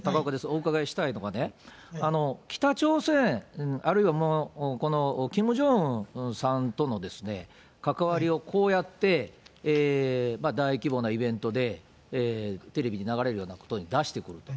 お伺いしたいのがですね、北朝鮮、あるいはこのキム・ジョンウンさんとの関わりをこうやって、大規模なイベントでテレビに流れるようなことを出してくると。